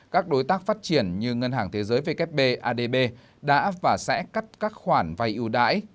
các đối tác phát triển như ngân hàng thế giới wb adb đã và sẽ cắt các khoản vay ưu đãi